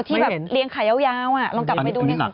ที่แบบเรียงขายาวลองกลับไปดู